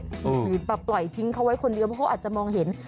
หรือแบบปล่อยทิ้งเขาไว้คนเดียวเพราะเขาอาจจะมองเห็น